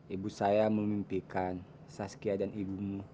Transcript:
ibu saya memimpikan saskia dan ibumu